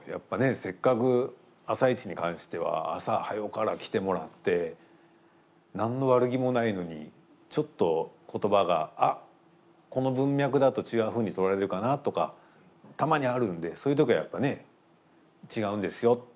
せっかく「あさイチ」に関しては朝早から来てもらって何の悪気もないのにちょっと言葉が「あっこの文脈だと違うふうに取られるかな」とかたまにあるんでそういう時はやっぱね「違うんですよ。